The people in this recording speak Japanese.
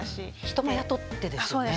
人も雇ってですよね？